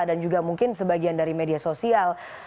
dan juga mungkin sebagian dari media sosial